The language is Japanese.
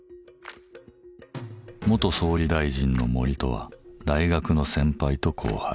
元総理大臣の森とは大学の先輩と後輩。